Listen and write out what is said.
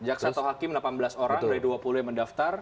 jaksa atau hakim delapan belas orang dari dua puluh yang mendaftar